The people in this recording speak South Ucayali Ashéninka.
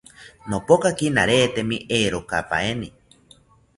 Nopokaki naretemi erokapaeni